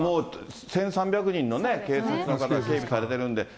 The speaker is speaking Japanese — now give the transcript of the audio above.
１３００人の警察の方、警備されてるんで。